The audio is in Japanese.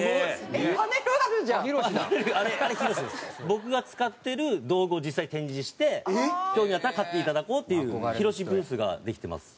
僕が使ってる道具を実際に展示して興味あったら買って頂こうっていうヒロシブースができてます。